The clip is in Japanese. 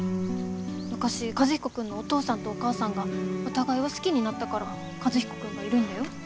昔和彦君のお父さんとお母さんがお互いを好きになったから和彦君がいるんだよ？